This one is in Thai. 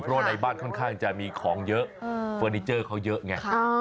เพราะว่าในบ้านค่อนข้างจะมีของเยอะเฟอร์นิเจอร์เขาเยอะไง